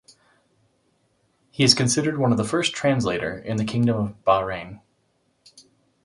He is considered one of the first translator in the Kingdom of Bahrain.